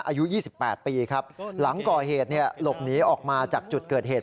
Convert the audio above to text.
อายุ๒๘ปีครับหลังก่อเหตุหลบหนีออกมาจากจุดเกิดเหตุ